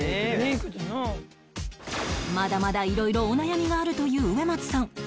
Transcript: まだまだ色々お悩みがあるという植松さん